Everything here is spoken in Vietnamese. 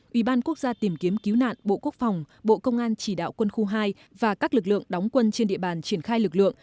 ủy ban quốc gia tìm kiếm cứu nạn bộ quốc phòng bộ công an chỉ đạo quân khu hai và các lực lượng đóng quân trên địa bàn triển khai lực lượng